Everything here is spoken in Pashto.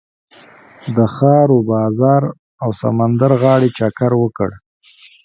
د ښار و بازار او سمندر غاړې چکر وکړ.